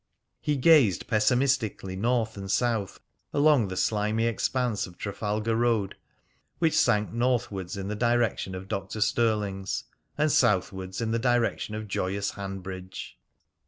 He gazed pessimistically north and south along the slimy expanse of Trafalgar Road, which sank northwards in the direction of Dr. Stirling's, and southwards in the direction of joyous Hanbridge.